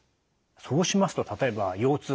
そうしますと例えば腰痛腰以外。